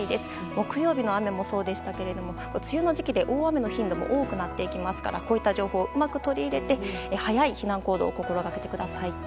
木曜日の雨もそうでしたけど梅雨の時期で大雨の頻度も多くなっていきますからこういった情報をうまく取り入れて早い避難行動を心がけてください。